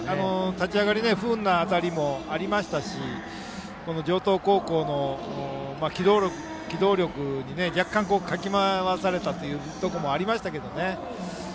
立ち上がり不運な当たりもありましたし城東高校の機動力に若干かき回されたところもありましたけどね。